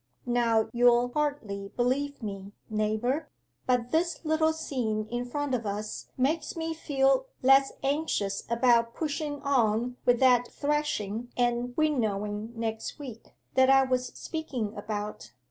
'Now you'll hardly believe me, neighbour, but this little scene in front of us makes me feel less anxious about pushing on wi' that threshing and winnowing next week, that I was speaking about.